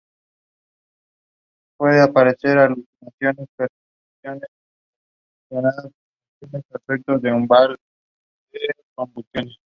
Amador y Maite se conocieron durante su juventud.